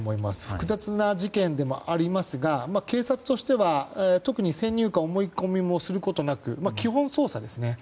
複雑な事件でもありますが警察としては特に先入観思い込みもすることなく基本捜査ですね。